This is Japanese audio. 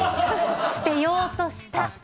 捨てようとした。